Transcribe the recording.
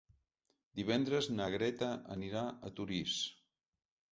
Divendres na Greta anirà a Torís.